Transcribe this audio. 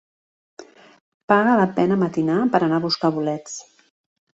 Paga la pena matinar per anar a buscar bolets.